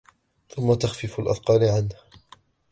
ثُمَّ تَخْفِيفُ الْأَثْقَالِ عَنْهُ